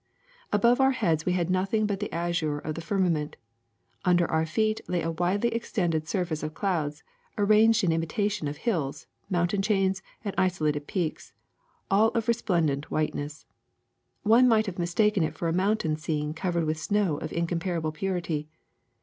'^ 'Above our heads we had nothing but the azure of the firmament; under our feet lay a widely ex tended surface of clouds arranged in imitation of hills, mountain chains, and isolated peaks, all of re splendent whiteness. One might have mistaken it for a mountain scene covered with snow of incom parable purity.